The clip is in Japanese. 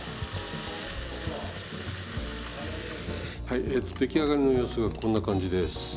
はいえと出来上がりの様子がこんな感じです。